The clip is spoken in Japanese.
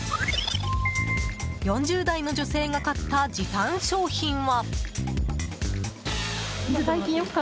４０代の女性が買った時短商品は。